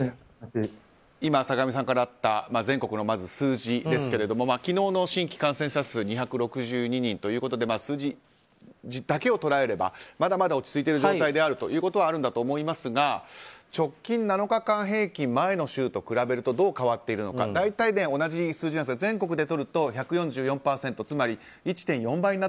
今、坂上さんからあった全国の数字ですが昨日の新規感染者数２６２人ということで数字だけを捉えればまだまだ落ち着いている状態だということであるんだと思いますが直近７日間平均前の週と比べると大体同じ数字なんですが全国でとると１４４％つまり１．４倍。